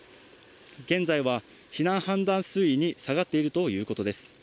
現在は避難判断水位に下がっているということです。